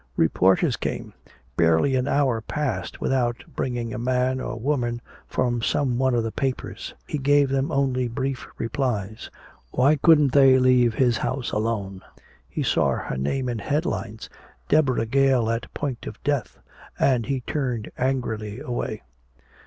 Reporters came. Barely an hour passed without bringing a man or a woman from some one of the papers. He gave them only brief replies. Why couldn't they leave his house alone? He saw her name in headlines: "Deborah Gale at Point of Death." And he turned angrily away.